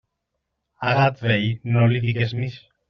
A gat vell, no li digues mix.